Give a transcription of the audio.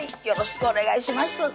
よろしくお願いします